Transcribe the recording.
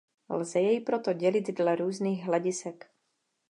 Lze jej proto dělit dle různých hledisek.